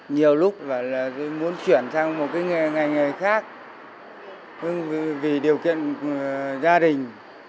nhiều lúc tôi muốn chuyển sang một nghề khác vì điều kiện gia đình